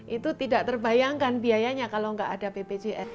itu tidak terbayangkan biayanya kalau tidak ada ppjs